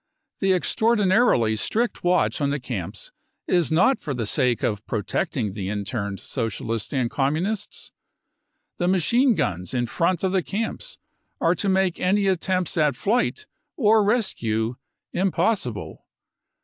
The extraordinarily strict watch on the camps is not for the sake of protecting the interned Socialists and Communists. The machine guns in front of the camps are to make any attempts at flight or rescue impossible.